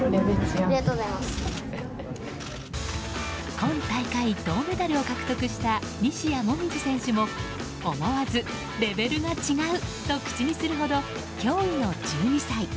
今大会、銅メダルを獲得した西矢椛選手も思わずレベルが違うと口にするほど驚異の１２歳。